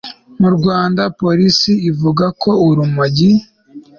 Mu Rwanda polisi ivuga ko urumogi